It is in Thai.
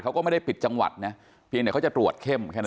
เขาก็ไม่ได้ปิดจังหวัดนะเพียงแต่เขาจะตรวจเข้มแค่นั้น